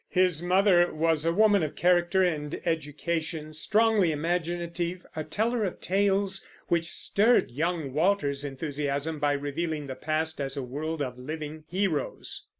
His mother was a woman of character and education, strongly imaginative, a teller of tales which stirred young Walter's enthusiasm by revealing the past as a world of living heroes.